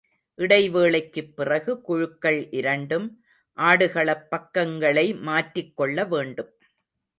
இடைவேளைக்குப் பிறகு குழுக்கள் இரண்டும், ஆடுகளப் பக்கங்களை மாற்றிக்கொள்ள வேண்டும்.